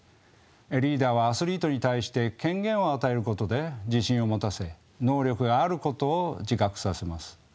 リーダーはアスリートに対して権限を与えることで自信を持たせ能力があることを自覚させます。